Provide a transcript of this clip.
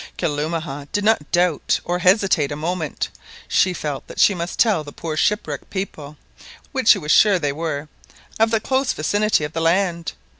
Kalumah did not doubt or hesitate a moment. She felt that she must tell the poor shipwrecked people, which she was sure they were, of the close vicinity of the land.